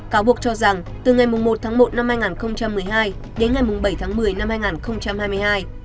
cáo buộc cho rằng từ ngày một một hai nghìn một mươi hai đến ngày bảy một mươi hai nghìn hai mươi hai